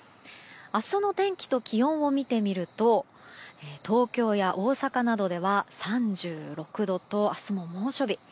明日の天気と気温を見てみると東京や大阪などでは３６度と明日も猛暑日。